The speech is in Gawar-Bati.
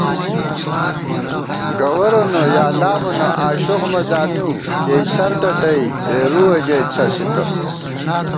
گَوَرَنہ یا لامَنہ آشوخ مہ زانِؤ، کېئیسَنتہ تئ، کېرُوَہ ژَئی څھسِتہ